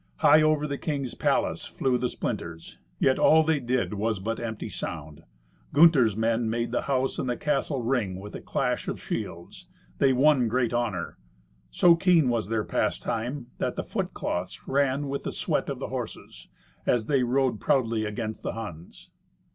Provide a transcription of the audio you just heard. High over the king's palace flew the splinters. Yet all they did was but empty sound. Gunther's men made the house and the castle ring with the clash of shields. They won great honour. So keen was their pastime that the foot cloths ran with the sweat of the horses, as they rode proudly against the Huns.